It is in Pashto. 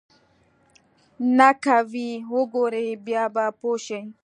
نه که ويې وګورې بيا به پوى شې.